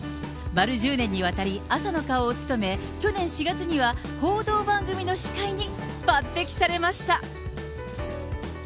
丸１０年にわたり、朝の顔を務め、去年４月には報道番組の司会に抜てきされました。